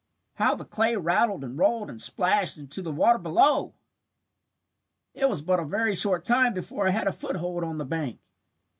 How the clay rattled and rolled and splashed into the water below! "It was but a very short time before I had a foothold on the bank.